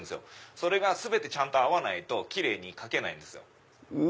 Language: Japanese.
それが全てちゃんと合わないとキレイに書けないんですよ。